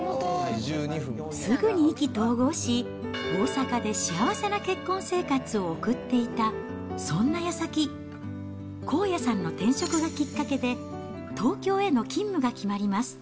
すぐに意気投合し、大阪で幸せな結婚生活を送っていた、そんなやさき、こうやさんの転職がきっかけで、東京への勤務が決まります。